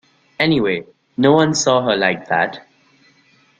Anyway, no one saw her like that.